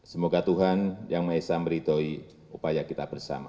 semoga tuhan yang maesah meridohi upaya kita bersama